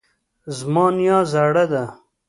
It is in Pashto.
زما نیا زړه ده